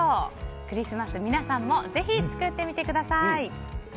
クリスマス皆さんもぜひ作ってみてください。